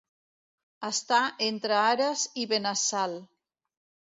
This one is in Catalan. Estar entre Ares i Benassal.